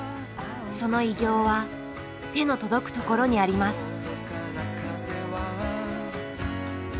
その偉業は手の届くところにあります。